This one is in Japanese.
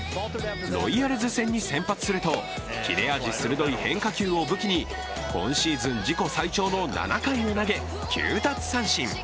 ロイヤルズ戦に先発すると切れ味鋭い変化球を武器に今シーズン自己最長の７回を投げ、９奪三振。